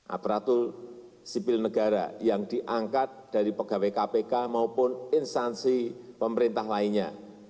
aparatur sipil negara yang diangkat dari pegawai kpk maupun instansi pemerintah lainnya